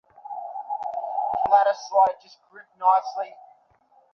সে আমাদের গ্রামের কি না জানতে চাই।